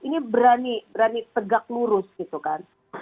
ini berani berani tegak lurus gitu kan